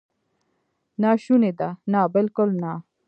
ناشونې ده؟ نه، بالکل نه!